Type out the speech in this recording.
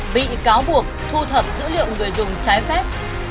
bị cáo buộc thu thập dữ liệu người dùng trái phép